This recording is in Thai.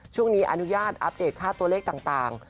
ช่วงนี้อนุญาตอัปเดตค่าตัวเลขต่าง